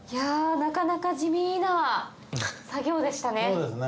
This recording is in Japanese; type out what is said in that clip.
なかなか地味な作業でしたね。